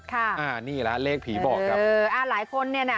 ค่ะอ่านี่แหละเลขผีบอกครับเอออ่าหลายคนเนี่ยน่ะ